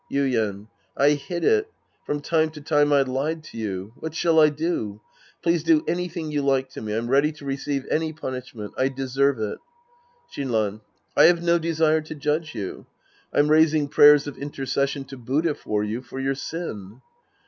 Yuien. I hid it. From time to time I lied to you. What shall I do ? Please do anything you like to me. I'm ready to receive any punishment. I deserve it. Shinran. I have no desire to judge you. I'm raising prayers of intercession to Buddha for you, for your sin.